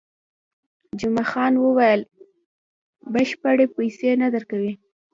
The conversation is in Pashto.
جمعه خان وویل، بشپړې پیسې نه درکوي.